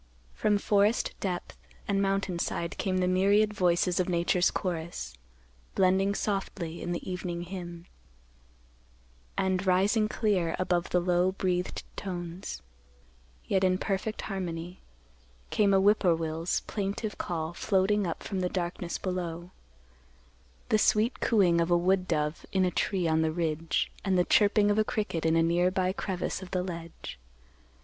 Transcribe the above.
From forest depth and mountain side came the myriad voices of Nature's chorus, blending softly in the evening hymn; and, rising clear above the low breathed tones, yet in perfect harmony, came a whip poor will's plaintive call floating up from the darkness below; the sweet cooing of a wood dove in a tree on the ridge, and the chirping of a cricket in a nearby crevice of the ledge.